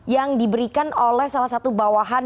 yang diberikan oleh salah satu bawahan